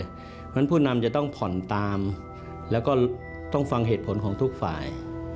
เพราะฉะนั้นผู้นำจะต้องผ่อนตามแล้วก็ต้องฟังเหตุผลของทุกฝ่าย